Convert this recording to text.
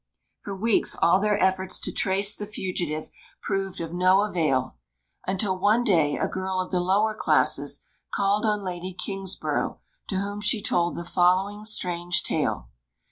For weeks all their efforts to trace the fugitive proved of no avail, until one day a girl of the lower classes called on Lady Kingsborough, to whom she told the following strange tale.